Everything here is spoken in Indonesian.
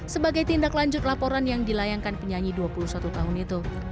sebagai tindak lanjut laporan yang dilayangkan penyanyi dua puluh satu tahun itu